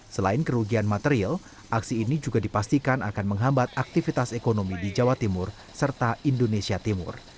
selain kerugian material aksi ini juga dipastikan akan menghambat aktivitas ekonomi di jawa timur serta indonesia timur